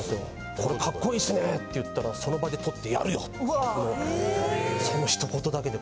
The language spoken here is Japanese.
「これかっこいいっすね」って言ったらその場で取って「やるよ」ってその一言だけで。